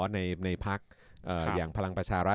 ในภักดิ์อย่างพลังประชาราช